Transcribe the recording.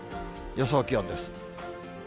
予想気温です。